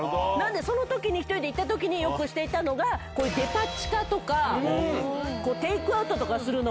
その時１人で行った時によくしていたのがデパ地下とかテイクアウトとかするのが。